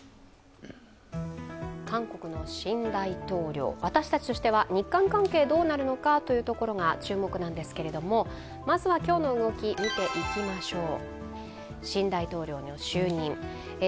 韓国の新大統領、私たちとしては日韓関係はどうなるのかというところが注目ですが、まずは今日の動きを見ていきましょう。